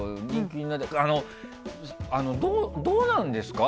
どうなんですか？